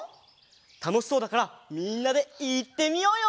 たのしそうだからみんなでいってみようよ！